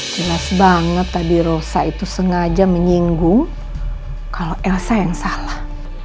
jelas banget tadi rosa itu sengaja menyinggung kalau elsa yang salah